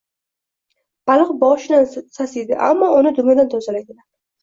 Baliq boshidan sasiydi. Ammo uni dumidan tozalaydilar.